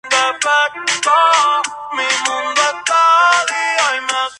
Reuniones entre los funcionarios se producen casi mensualmente.